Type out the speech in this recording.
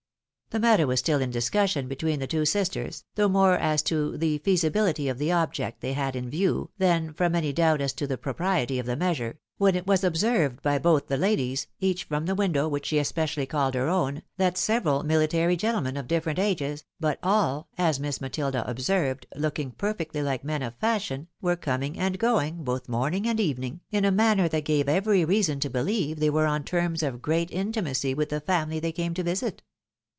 This matter was still in discussion between the two sisters, though more as to the feasibility of the object they had in view, than from any doubt as to the propriety of the measure, when it was observed by both the ladies, each from the vrindow which she especially called her own, that several military gentlemen, of different ages, but all, as Miss Matilda observed, looking per fectly hke men of fashion, were coming and going, both morning and evening, in a manner that gave every reason to believe they were on terms of great intimacy with the family they came to visit.